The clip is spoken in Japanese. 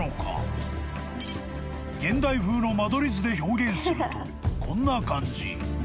［現代風の間取り図で表現するとこんな感じ］